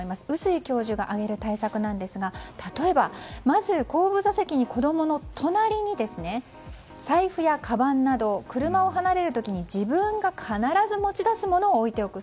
碓井教授が挙げる対策ですが例えばまず後部座席、子供の隣に財布やかばんなど車を離れる時に、自分が必ず持ち出すものを置いておく。